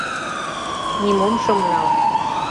Нимом шым нал.